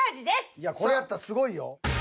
いやこれやったらすごいよ。